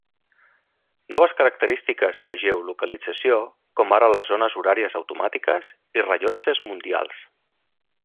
Noves característiques de geolocalització, com ara les zones horàries automàtiques i rellotges mundials.